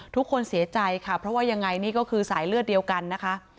ทุกคนเสียใจค่ะเพราะว่ายังไงนี่ก็คือสายเลือดเดียวกันนะคะ